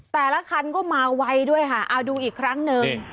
แต่ละคันก็มาไวด้วยค่ะเอาดูอีกครั้งหนึ่ง